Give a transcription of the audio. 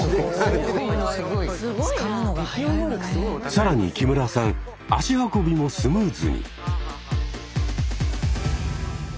更に木村さん足運びもスムーズに。